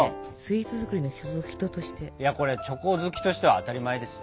いやこれチョコ好きとしては当たり前ですよ。